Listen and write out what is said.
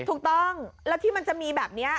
ถูกต้องแล้วที่มันจะมีแบบนี้